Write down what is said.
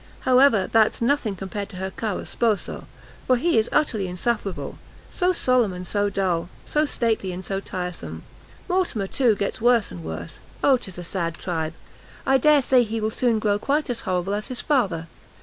However, that's nothing compared to her caro sposo, for he is utterly insufferable; so solemn, and so dull! so stately and so tiresome! Mortimer, too, gets worse and worse; O 'tis a sad tribe! I dare say he will soon grow quite as horrible as his father.